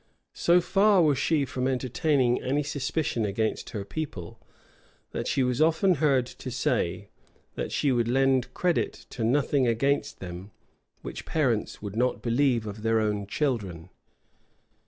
So far was she from entertaining any suspicion against her people, that she was often heard to say, "that she would lend credit to nothing against them, which parents would not believe of their own children."